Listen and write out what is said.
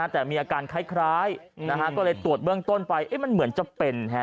แต่มีอาการคล้ายก็เลยตรวจเบื้องต้นไปมันเหมือนจะเป็น